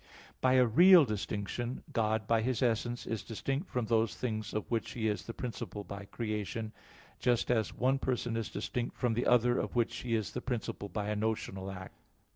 By a real distinction, God by His essence is distinct from those things of which He is the principle by creation: just as one person is distinct from the other of which He is principle by a notional act.